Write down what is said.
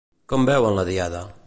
Com veuen la Diada?